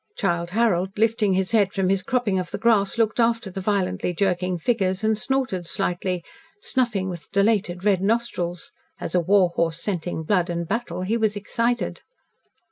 Childe Harold, lifting his head from his cropping of the grass, looked after the violently jerking figures and snorted slightly, snuffing with dilated red nostrils. As a war horse scenting blood and battle, he was excited.